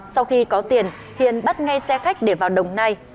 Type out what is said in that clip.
sau khi có tiền hiền bắt ngay xe khách để vào đồng nai